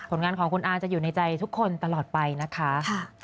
งานของคุณอาจะอยู่ในใจทุกคนตลอดไปนะคะ